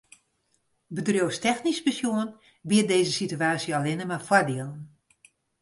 Bedriuwstechnysk besjoen biedt dizze situaasje allinnich mar foardielen.